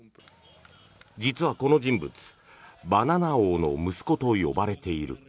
実はこの人物バナナ王の息子と呼ばれている。